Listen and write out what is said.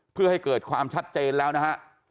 เพื่อให้เกิดความชัดเจนแล้วนะฮะ